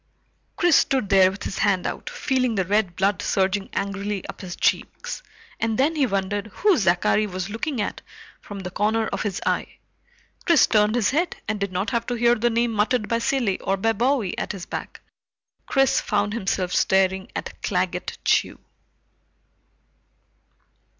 Chris stood there with his hand out, feeling the red blood surging angrily up his cheeks, and then he wondered who Zachary was looking at from the corner of his eye. Chris turned his head and did not have to hear the name muttered by Cilley or by Bowie at his back. Chris found himself staring at Claggett Chew.